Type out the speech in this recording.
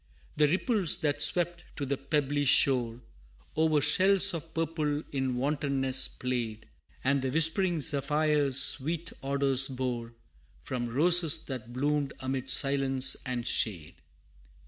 The ripples that swept to the pebbly shore, O'er shells of purple in wantonness played, And the whispering zephyrs sweet odors bore, From roses that bloomed amid silence and shade.